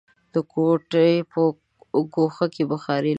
د کوټې په ګوښه کې بخارۍ لګوو.